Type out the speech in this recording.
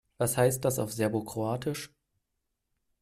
Was heißt das auf Serbokroatisch?